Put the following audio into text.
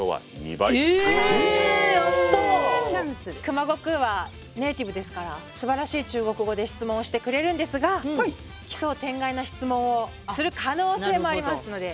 熊悟空はネイティブですからすばらしい中国語で質問をしてくれるんですが奇想天外な質問をする可能性もありますので。